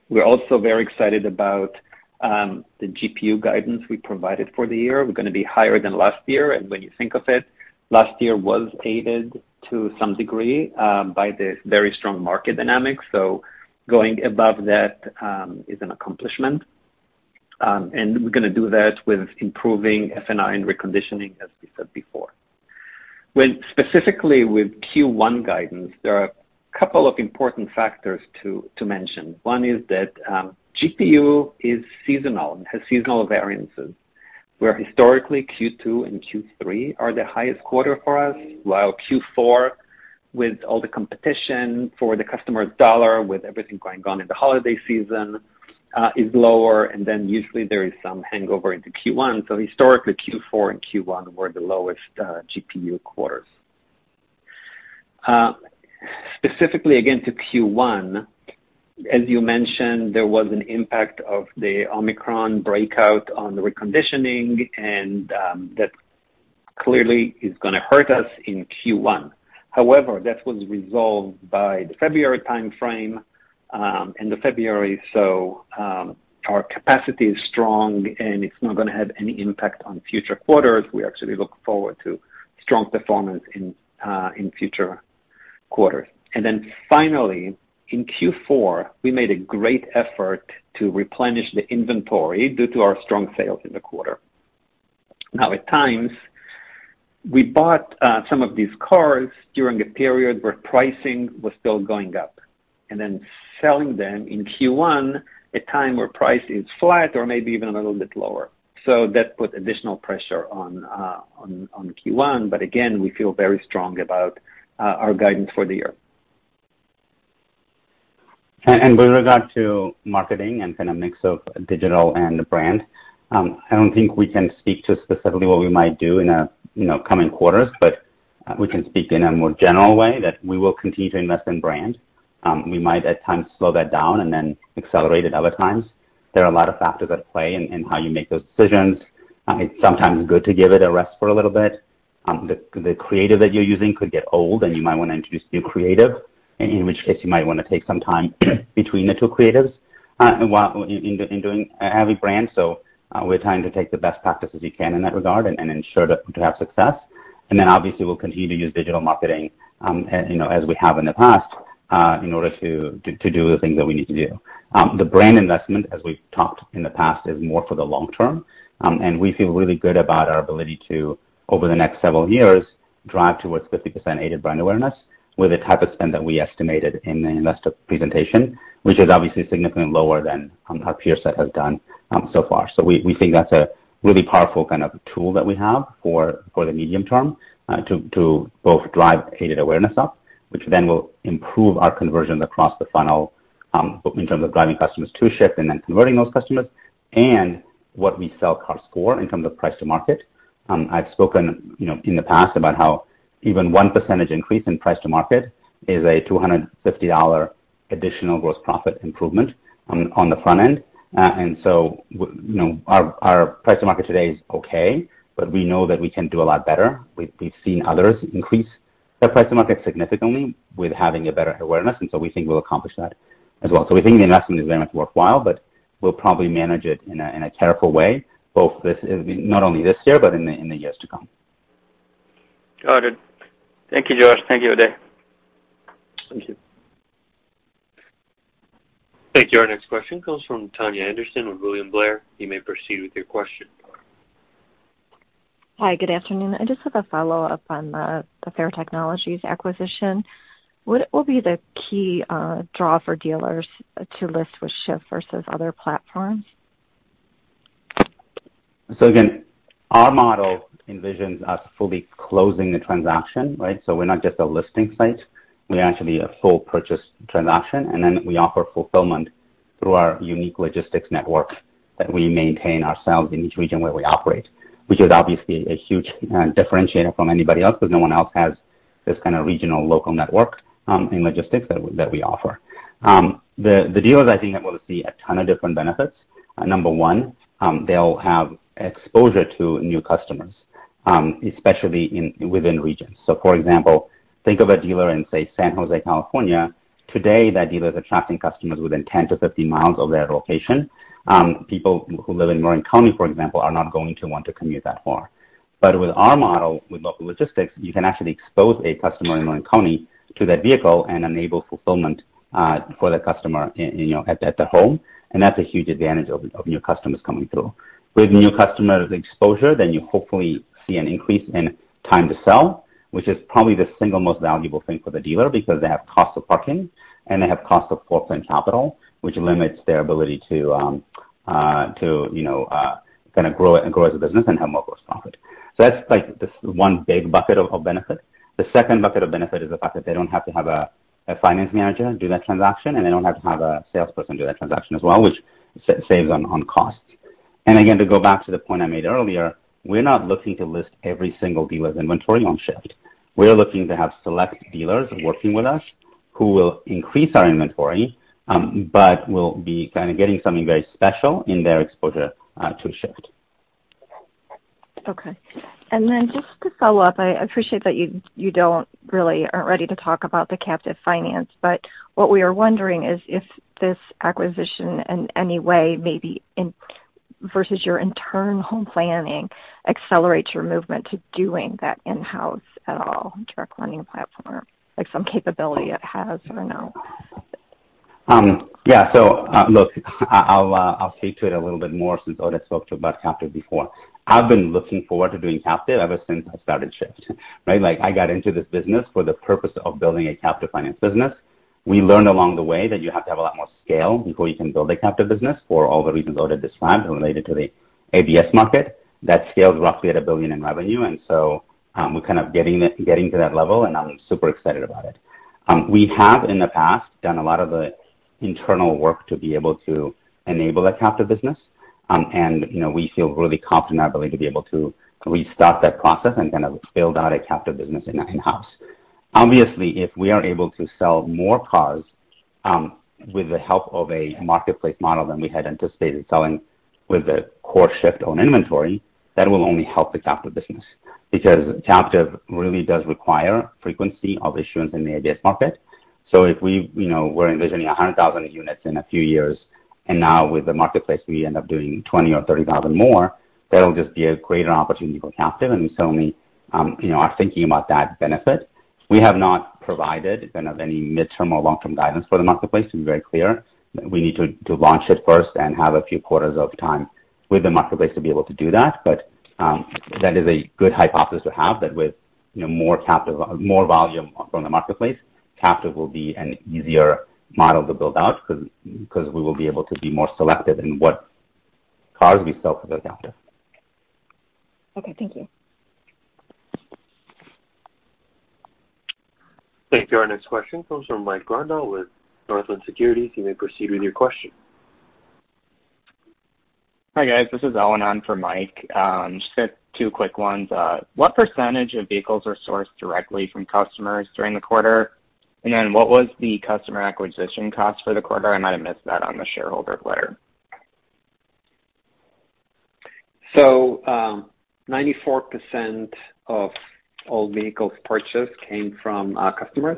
Speaker 4: We're also very excited about the GPU guidance we provided for the year. We're gonna be higher than last year, and when you think of it, last year was aided to some degree by the very strong market dynamics. Going above that is an accomplishment. We're gonna do that with improving F&I and reconditioning, as we said before. Well, specifically with Q1 guidance, there are a couple of important factors to mention. One is that GPU is seasonal. It has seasonal variances, where historically Q2 and Q3 are the highest quarter for us, while Q4, with all the competition for the customer's dollar, with everything going on in the holiday season, is lower, and then usually there is some hangover into Q1. Historically, Q4 and Q1 were the lowest GPU quarters. Specifically again to Q1, as you mentioned, there was an impact of the Omicron breakout on the reconditioning and that clearly is gonna hurt us in Q1. However, that was resolved by the February timeframe, end of February. Our capacity is strong, and it's not gonna have any impact on future quarters. We actually look forward to strong performance in future quarters. Finally, in Q4, we made a great effort to replenish the inventory due to our strong sales in the quarter. Now, at times, we bought some of these cars during a period where pricing was still going up and then selling them in Q1, a time where price is flat or maybe even a little bit lower. So that put additional pressure on Q1, but again, we feel very strong about our guidance for the year.
Speaker 2: With regard to marketing and kind of mix of digital and brand, I don't think we can speak to specifically what we might do in coming quarters, but we can speak in a more general way that we will continue to invest in brand. We might at times slow that down and then accelerate it other times. There are a lot of factors at play in how you make those decisions. It's sometimes good to give it a rest for a little bit. The creative that you're using could get old, and you might wanna introduce new creative, in which case you might wanna take some time between the two creatives, while in doing a heavy brand. We're trying to take the best practices we can in that regard and ensure that to have success. Obviously we'll continue to use digital marketing, you know, as we have in the past, in order to do the things that we need to do. The brand investment, as we've talked in the past, is more for the long -term. We feel really good about our ability to, over the next several years, drive towards 50% aided brand awareness with the type of spend that we estimated in the investor presentation, which is obviously significantly lower than our peers that have done so far. We think that's a really powerful kind of tool that we have for the medium term to both drive aided awareness up, which then will improve our conversions across the funnel in terms of driving customers to Shift and then converting those customers and what we sell cars for in terms of price to market. I've spoken, you know, in the past about how even 1% increase in price to market is a $250 additional gross profit improvement on the front end. You know, our price to market today is okay, but we know that we can do a lot better. We've seen others increase their price to market significantly with having a better awareness, and so we think we'll accomplish that as well. We think the investment is very much worthwhile, but we'll probably manage it in a careful way, both not only this year but in the years to come.
Speaker 11: Got it. Thank you, George. Thank you, Oded.
Speaker 2: Thank you.
Speaker 5: Thank you. Our next question comes from Tania Anderson with William Blair. You may proceed with your question.
Speaker 12: Hi. Good afternoon. I just have a follow-up on the FAIR Technologies acquisition. What will be the key draw for dealers to list with Shift versus other platforms?
Speaker 2: Again, our model envisions us fully closing the transaction, right? We're not just a listing site, we're actually a full purchase transaction, and then we offer fulfillment through our unique logistics network that we maintain ourselves in each region where we operate, which is obviously a huge differentiator from anybody else because no one else has this kind of regional local network in logistics that we offer. The dealers I think are gonna see a ton of different benefits. Number one, they'll have exposure to new customers, especially within regions. For example, think of a dealer in, say, San Jose, California. Today, that dealer is attracting customers within 10-15 miles of their location. People who live in Marin County, for example, are not going to want to commute that far. With our model with local logistics, you can actually expose a customer in Marin County to that vehicle and enable fulfillment for the customer in, you know, at their home, and that's a huge advantage of new customers coming through. With new customer exposure, then you hopefully see an increase in time to sell, which is probably the single most valuable thing for the dealer because they have cost of parking and they have cost of forefront capital, which limits their ability to, you know, kinda grow and grow as a business and have more gross profit. That's like this one big bucket of benefit. The second bucket of benefit is the fact that they don't have to have a finance manager do that transaction, and they don't have to have a salesperson do that transaction as well, which saves on costs. Again, to go back to the point I made earlier, we're not looking to list every single dealer's inventory on Shift. We're looking to have select dealers working with us who will increase our inventory, but will be kinda getting something very special in their exposure to Shift.
Speaker 12: Okay. Just to follow up, I appreciate that you really aren't ready to talk about the captive finance, but what we are wondering is if this acquisition versus your internal planning accelerates your movement to doing that in-house at all direct lending platform, like some capability it has or no?
Speaker 2: Yeah. Look, I'll speak to it a little bit more since Oded spoke to about captive before. I've been looking forward to doing captive ever since I started Shift, right? Like, I got into this business for the purpose of building a captive finance business. We learned along the way that you have to have a lot more scale before you can build a captive business for all the reasons Oded described related to the ABS market that scaled roughly at $1 billion in revenue. We're kind of getting to that level, and I'm super excited about it. We have in the past done a lot of the internal work to be able to enable a captive business. You know, we feel really confident, I believe, to be able to restart that process and kind of build out a captive business in-house. Obviously, if we are able to sell more cars with the help of a marketplace model than we had anticipated selling with the core Shift on inventory, that will only help the captive business. Because captive really does require frequency of issuance in the ABS market. If we, you know, we're envisioning 100,000 units in a few years, and now with the marketplace, we end up doing 20,000 unit or 30,000 units more, that'll just be a greater opportunity for captive. We certainly, you know, are thinking about that benefit. We have not provided kind of any mid-term or long-term guidance for the marketplace to be very clear. We need to launch it first and have a few quarters of time with the marketplace to be able to do that. That is a good hypothesis to have that with, you know, more volume from the marketplace, captive will be an easier model to build out 'cause we will be able to be more selective in what cars we sell for the captive.
Speaker 12: Okay. Thank you.
Speaker 5: Thank you. Our next question comes from Mike Grondahl with Northland Securities. You may proceed with your question.
Speaker 13: Hi, guys. This is Owen on for Mike. Just two quick ones. What percentage of vehicles are sourced directly from customers during the quarter? What was the customer acquisition cost for the quarter? I might have missed that on the shareholder letter.
Speaker 4: 94% of all vehicles purchased came from our customers,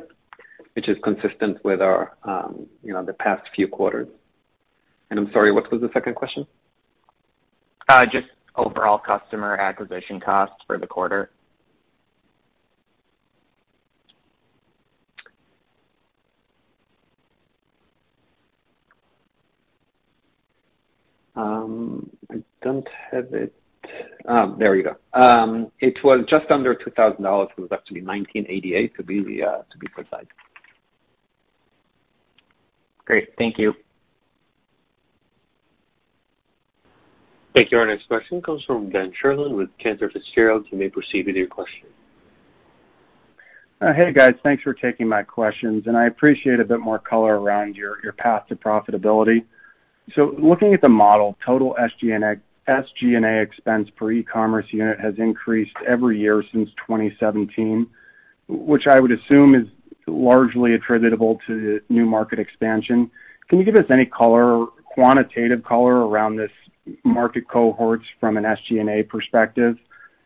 Speaker 4: which is consistent with our, you know, the past few quarters. I'm sorry, what was the second question?
Speaker 13: Just overall customer acquisition costs for the quarter.
Speaker 4: I don't have it. There we go. It was just under $2,000. It was actually $1,988 to be precise.
Speaker 13: Great. Thank you.
Speaker 5: Thank you. Our next question comes from Dan Ives with Cantor Fitzgerald. You may proceed with your question.
Speaker 14: Hey, guys. Thanks for taking my questions, and I appreciate a bit more color around your path to profitability. Looking at the model, total SG&A expense per e-commerce unit has increased every year since 2017, which I would assume is largely attributable to new market expansion. Can you give us any color, quantitative color around this market cohorts from an SG&A perspective?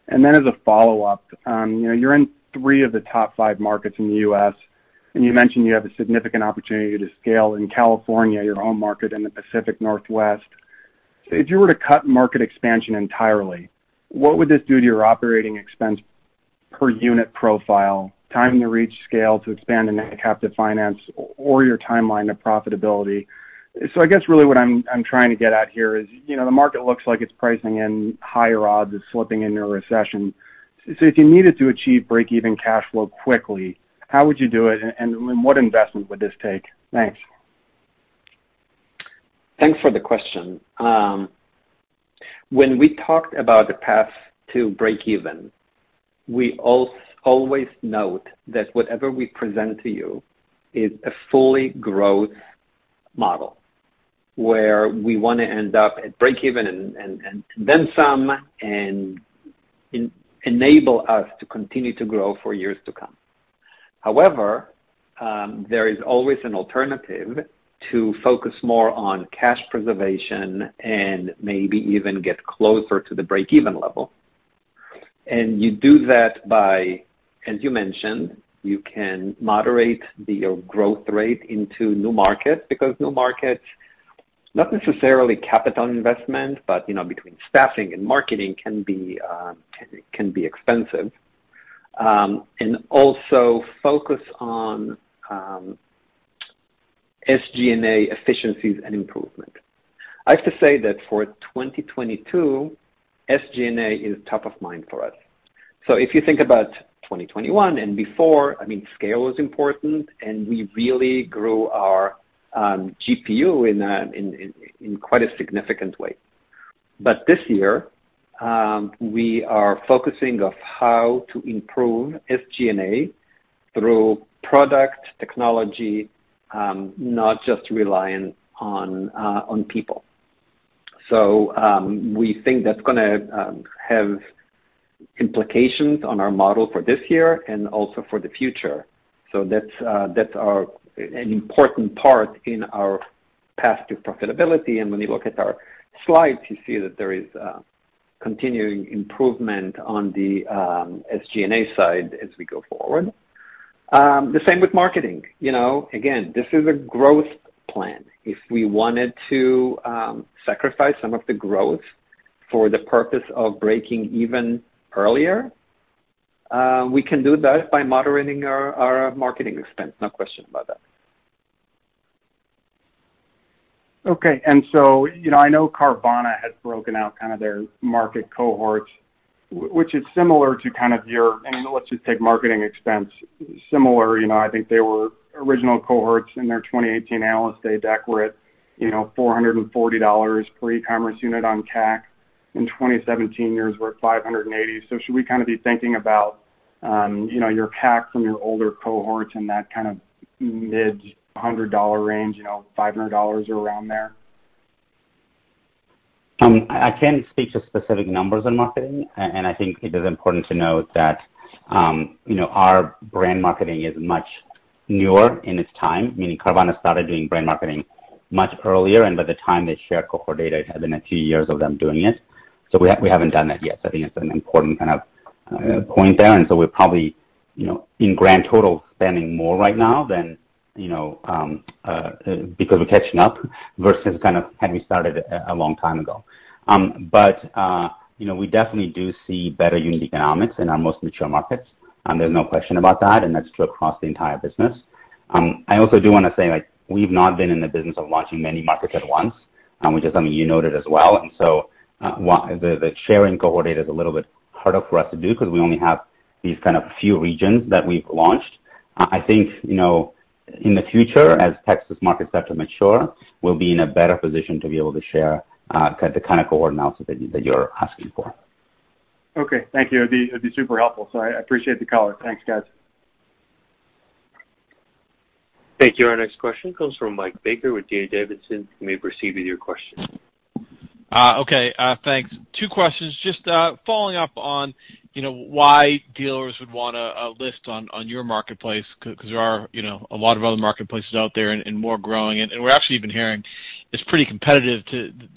Speaker 14: As a follow-up, you know, you're in three of the top five markets in The U.S., and you mentioned you have a significant opportunity to scale in California, your own market in the Pacific Northwest. If you were to cut market expansion entirely, what would this do to your operating expense per unit profile, time to reach scale to expand into captive finance or your timeline to profitability? I guess really what I'm trying to get at here is, you know, the market looks like it's pricing in higher odds of slipping into a recession. If you needed to achieve break-even cash flow quickly, how would you do it, and what investment would this take? Thanks.
Speaker 4: Thanks for the question. When we talked about the path to break even, we always note that whatever we present to you is a fully growth model where we wanna end up at break even and then some and enable us to continue to grow for years to come. However, there is always an alternative to focus more on cash preservation and maybe even get closer to the break-even level. You do that by, as you mentioned, you can moderate the growth rate into new markets because new markets, not necessarily capital investment, but you know, between staffing and marketing can be expensive. Also focus on SG&A efficiencies and improvement. I have to say that for 2022, SG&A is top of mind for us. If you think about 2021 and before, I mean, scale was important, and we really grew our GPU in quite a significant way. This year, we are focusing on how to improve SG&A through product technology, not just reliant on people. We think that's gonna have implications on our model for this year and also for the future. That's an important part in our path to profitability. When you look at our slides, you see that there is continuing improvement on the SG&A side as we go forward. The same with marketing. You know, again, this is a growth plan. If we wanted to sacrifice some of the growth for the purpose of breaking even earlier, we can do that by moderating our marketing expense, no question about that.
Speaker 14: Okay. You know, I know Carvana has broken out kind of their market cohorts, which is similar to. I mean, let's just take marketing expense similar, you know, I think they were original cohorts in their 2018 analyst day deck were at, you know, $440 per e-commerce unit on CAC. In 2017, yours were $580. Should we kinda be thinking about, you know, your CAC from your older cohorts in that kind of mid hundred dollar range, you know, $500 around there?
Speaker 2: I can't speak to specific numbers in marketing, and I think it is important to note that, you know, our brand marketing is much newer in its time, meaning Carvana started doing brand marketing much earlier, and by the time they shared cohort data, it had been a few years of them doing it. We haven't done that yet. I think it's an important kind of point there. We're probably, you know, in grand total spending more right now than, you know, because we're catching up versus kind of had we started a long time ago. You know, we definitely do see better unit economics in our most mature markets, and there's no question about that, and that's true across the entire business. I also do wanna say, like, we've not been in the business of launching many markets at once, which is something you noted as well. The sharing cohort data is a little bit harder for us to do because we only have these kind of few regions that we've launched. I think, you know, in the future, as Texas markets start to mature, we'll be in a better position to be able to share the kind of cohort analysis that you're asking for.
Speaker 14: Okay. Thank you. It'd be super helpful. I appreciate the color. Thanks, guys.
Speaker 5: Thank you. Our next question comes from Michael Baker with D.A. Davidson. You may proceed with your question.
Speaker 15: Okay, thanks. Two questions. Just following up on, you know, why dealers would wanna list on your marketplace because there are, you know, a lot of other marketplaces out there and more growing. We're actually even hearing it's pretty competitive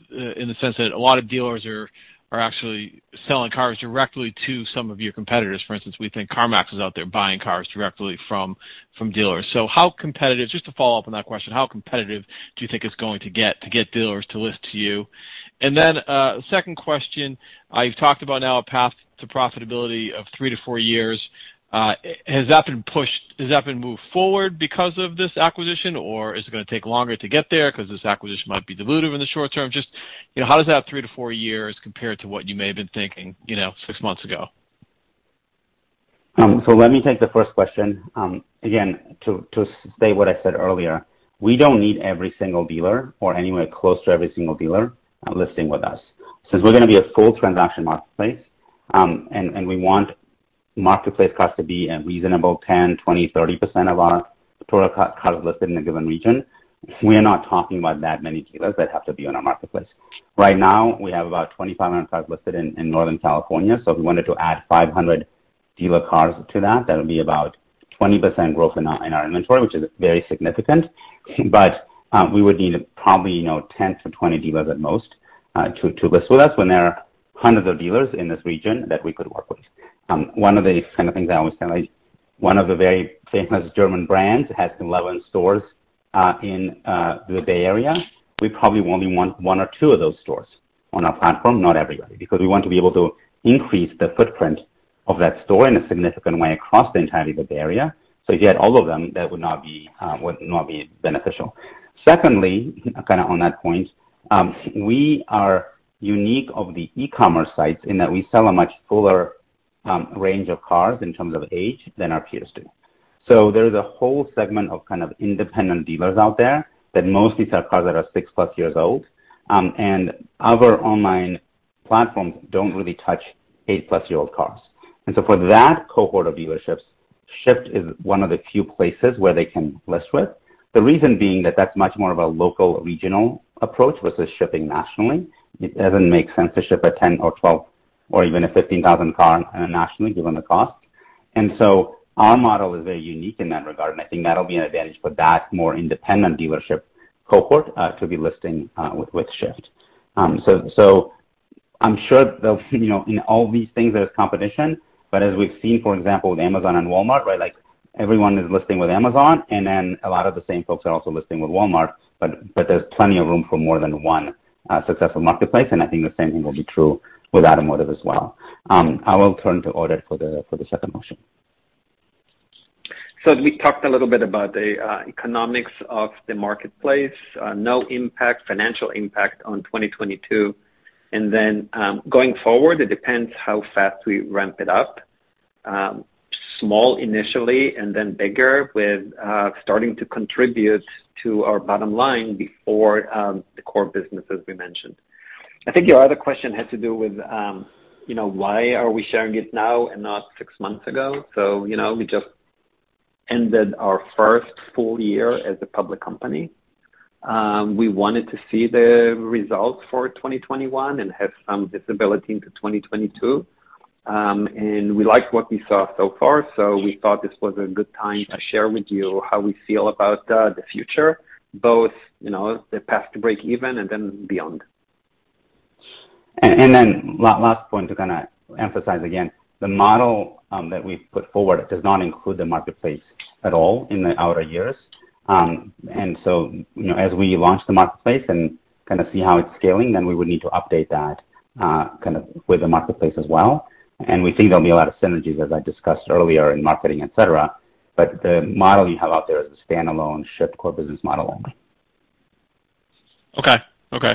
Speaker 15: in the sense that a lot of dealers are actually selling cars directly to some of your competitors. For instance, we think CarMax is out there buying cars directly from dealers. How competitive. Just to follow up on that question, how competitive do you think it's going to get to get dealers to list to you? Then, second question, you've talked about now a path to profitability of three to four years. Has that been moved forward because of this acquisition, or is it gonna take longer to get there 'cause this acquisition might be dilutive in the short term? Just, you know, how does that 3-4 years compare to what you may have been thinking, you know, six months ago?
Speaker 2: Let me take the first question. Again, to say what I said earlier, we don't need every single dealer or anywhere close to every single dealer listing with us. Since we're gonna be a full transaction marketplace, and we want marketplace cars to be a reasonable 10%, 20%, 30% of our total cars listed in a given region, we're not talking about that many dealers that have to be on our marketplace. Right now, we have about 2,500 cars listed in Northern California. If we wanted to add 500 dealer cars to that'll be about 20% growth in our inventory, which is very significant. We would need probably, you know, 10 dealers-20 dealers at most to list with us when there are hundreds of dealers in this region that we could work with. One of the kind of things I always tell, like one of the very famous German brands has 11 stores in the Bay Area. We probably only want one or two of those stores on our platform, not everybody. Because we want to be able to increase the footprint of that store in a significant way across the entirety of the Bay Area. If you had all of them, that would not be beneficial. Secondly, kinda on that point, we are unique of the e-commerce sites in that we sell a much fuller range of cars in terms of age than our peers do. There is a whole segment of kind of independent dealers out there that mostly sell cars that are 6+ years old. Other online platforms don't really touch 8+ year old cars. For that cohort of dealerships, Shift is one of the few places where they can list with. The reason being that that's much more of a local regional approach versus shipping nationally. It doesn't make sense to ship a $10,000 or $12,000 or even a $15,000 car internationally given the cost. Our model is very unique in that regard, and I think that'll be an advantage for that more independent dealership cohort to be listing with Shift. I'm sure there'll, you know, in all these things there's competition. As we've seen, for example, with Amazon and Walmart, right? Like everyone is listing with Amazon, and then a lot of the same folks are also listing with Walmart, but there's plenty of room for more than one successful marketplace, and I think the same thing will be true with automotive as well. I will turn to Oded for the second question.
Speaker 4: We talked a little bit about the economics of the marketplace. No financial impact on 2022. Then, going forward, it depends how fast we ramp it up. Small initially and then bigger with starting to contribute to our bottom line before the core business, as we mentioned. I think your other question had to do with, you know, why are we sharing it now and not six months ago? We just ended our first full-year as a public company. We wanted to see the results for 2021 and have some visibility into 2022. We liked what we saw so far, so we thought this was a good time to share with you how we feel about the future, both, you know, the path to break even and then beyond.
Speaker 2: Last point to kinda emphasize again, the model that we've put forward does not include the marketplace at all in the outer years. You know, as we launch the marketplace and kinda see how it's scaling, then we would need to update that kind of with the marketplace as well. We think there'll be a lot of synergies, as I discussed earlier, in marketing, et cetera. The model you have out there is a standalone Shift core business model only.
Speaker 15: Okay. Okay.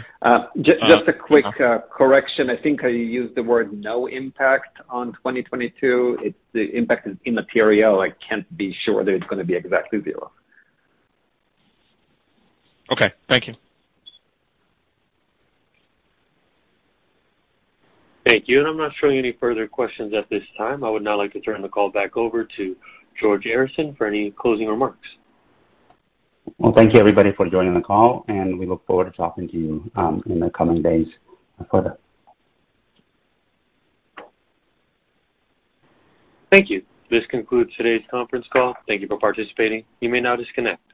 Speaker 4: Just a quick correction. I think I used the word no impact on 2022. It's the impact is in the P&L. I can't be sure that it's gonna be exactly zero.
Speaker 15: Okay. Thank you.
Speaker 5: Thank you. I'm not showing any further questions at this time. I would now like to turn the call back over to George Arison for any closing remarks.
Speaker 2: Well, thank you, everybody, for joining the call, and we look forward to talking to you in the coming days further.
Speaker 5: Thank you. This concludes today's conference call. Thank you for participating. You may now disconnect.